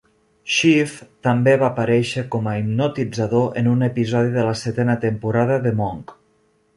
Schiff també va aparèixer com a hipnotitzador en un episodi de la setena temporada de "Monk".